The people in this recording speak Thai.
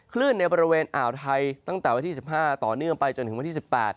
ในบริเวณอ่าวไทยตั้งแต่วันที่๑๕ต่อเนื่องไปจนถึงวันที่๑๘